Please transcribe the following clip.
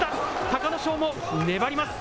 隆の勝も粘ります。